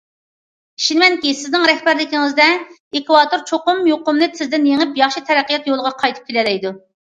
ئىشىنىمەنكى، سىزنىڭ رەھبەرلىكىڭىزدە، ئېكۋاتور چوقۇم يۇقۇمنى تېزدىن يېڭىپ، ياخشى تەرەققىيات يولىغا قايتىپ كېلەلەيدۇ.